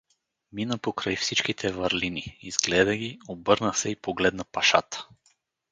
Мина покрай всичките върлини, изгледа ги, обърна се и погледна пашата.